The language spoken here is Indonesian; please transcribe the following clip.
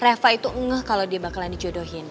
reva itu ngeh kalau dia bakalan dijodohin